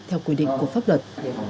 theo quy định của pháp luật